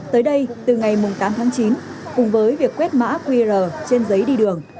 tới đây từ ngày tám tháng chín cùng với việc quét mã qr trên giấy đi đường